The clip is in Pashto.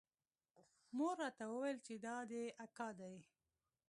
مور راته وويل چې دا دې اکا دى.